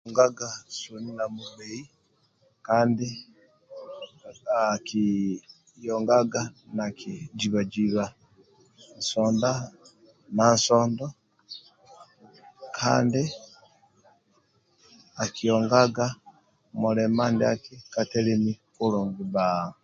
Nkpa soni na gbei akiongaga naki jiba jiba nsodo na nsodo kandi akiongaga mulima ndiaki ndia katelemi kulungi bba